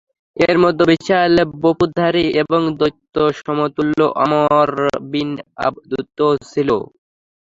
এর মধ্যে বিশাল বপুধারী এবং দৈত্য সমতুল্য আমর বিন আবদূদও ছিল।